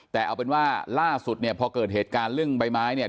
แต่เอาเป็นว่าล่าสุดเนี่ยพอเกิดเหตุการณ์เรื่องใบไม้เนี่ย